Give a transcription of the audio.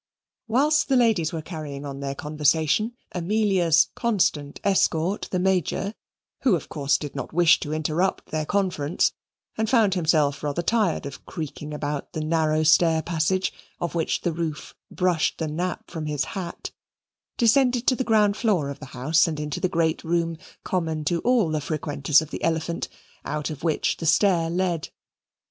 Whilst the ladies were carrying on their conversation, Amelia's constant escort, the Major (who, of course, did not wish to interrupt their conference, and found himself rather tired of creaking about the narrow stair passage of which the roof brushed the nap from his hat) descended to the ground floor of the house and into the great room common to all the frequenters of the Elephant, out of which the stair led.